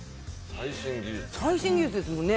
最新技術ですもんね。